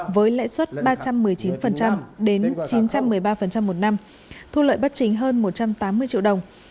với lãi suất ba trăm một mươi chín đến chín trăm một mươi ba một năm thu lợi bất chính hơn một trăm tám mươi triệu đồng